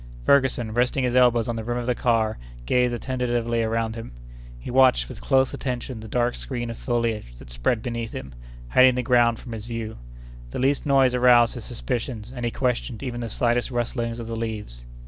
Ferguson, resting his elbows on the rim of the car, gazed attentively around him. He watched with close attention the dark screen of foliage that spread beneath him, hiding the ground from his view. The least noise aroused his suspicions, and he questioned even the slightest rustling of the leaves.